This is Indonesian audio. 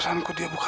kamu tau gak